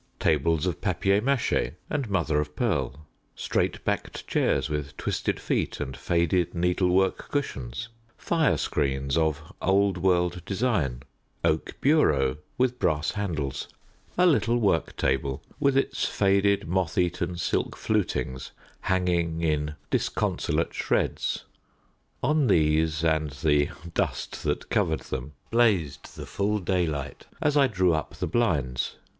Tables of papier maché and mother of pearl, straight backed chairs with twisted feet and faded needlework cushions, firescreens of old world design, oak bureaux with brass handles, a little work table with its faded moth eaten silk flutings hanging in disconsolate shreds: on these and the dust that covered them blazed the full daylight as I drew up the blinds.